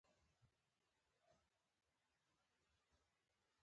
ډېرو ورته د بدچانسۍ او بدبختۍ نوم ورکړی دی